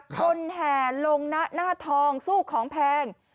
แห่ลงนะหน้าทองสู้ของแพง